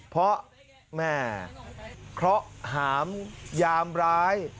เพราะห้ามยามร้าย